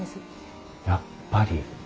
やっぱり！